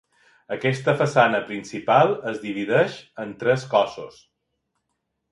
Aquesta façana principal es divideix en tres cossos.